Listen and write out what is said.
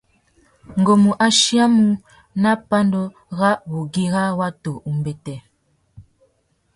Ngu mú achiyamú nà pandú râ wugüira watu umbêtê.